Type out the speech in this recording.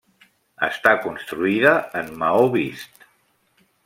Està construïda en maó vist.